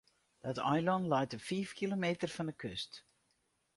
Dat eilân leit op fiif kilometer fan de kust.